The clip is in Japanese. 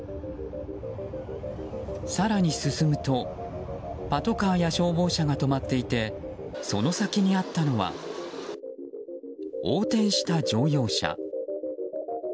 更に進むとパトカーや消防車が止まっていてその先にあったのは横転した乗用車。